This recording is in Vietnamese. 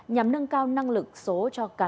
nhằm nâng cao năng lực số và ứng phó thiên tai